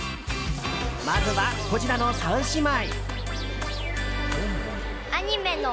まずは、こちらの３姉妹。